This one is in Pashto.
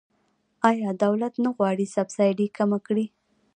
آیا دولت نه غواړي سبسایډي کمه کړي؟